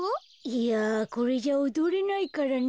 いやこれじゃおどれないからね。